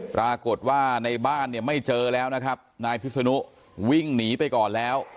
ปรากฏว่าในบ้านเนี่ยไม่เจอแล้วนะครับนายพิศนุวิ่งหนีไปก่อนแล้ว